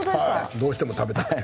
どうしても食べたくて。